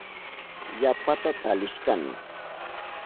Yapata talishkani.